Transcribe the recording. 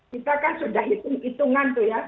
kita kan sudah hitung hitungan tuh ya